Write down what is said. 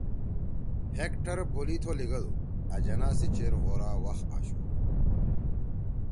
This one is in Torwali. ہیکٹر بولیتھو لیگَدُو، ”أ جناح سی چیر غورا وَخ آشُو